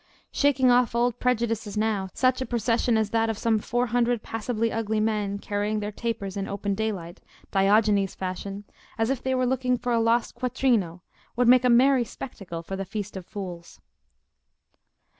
Shaking off old prejudices now, such a procession as that of some four hundred passably ugly men carrying their tapers in open daylight, Diogenes fashion, as if they were looking for a lost quattrino, would make a merry spectacle for the Feast of Fools."